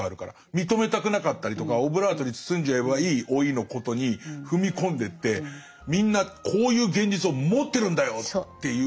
認めたくなかったりとかオブラートに包んじゃえばいい老いのことに踏み込んでってみんなこういう現実を持ってるんだよっていう。